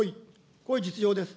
これ、実情です。